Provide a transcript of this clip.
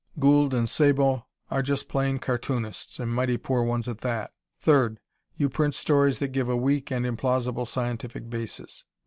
Gould and Sabo are just plain cartoonists, and mighty poor ones at that. Third, you print stories that give a weak and implausible scientific basis.